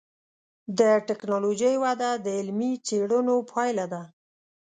د ټکنالوجۍ وده د علمي څېړنو پایله ده.